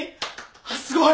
あっすごい！